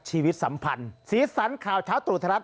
ชีวิตสัมพันธ์สีสันข่าวเช้าตุ๋นทรัศน์